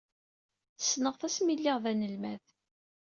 Ssneɣ-t asmi ay lliɣ d anelmad.